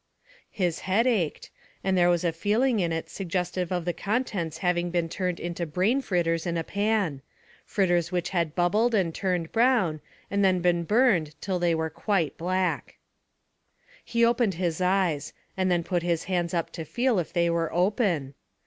His head ached, and there was a feeling in it suggestive of the contents having been turned into brain fritters in a pan fritters which had bubbled and turned brown, and then been burned till they were quite black. He opened his eyes, and then put his hands up to feel if they were open.